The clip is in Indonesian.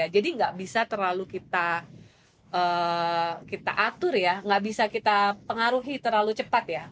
jadi nggak bisa terlalu kita atur nggak bisa kita pengaruhi terlalu cepat